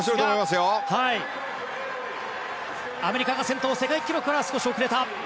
アメリカが先頭世界記録からは少し遅れた。